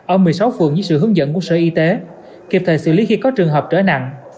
ở một mươi sáu phường dưới sự hướng dẫn của sở y tế kịp thời xử lý khi có trường hợp trở nặng